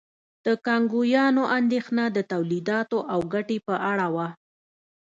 د کانګویانو اندېښنه د تولیداتو او ګټې په اړه وه.